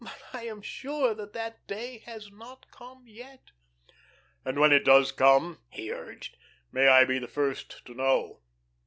But I am sure that that day has not come yet." "And when it does come," he urged, "may I be the first to know?"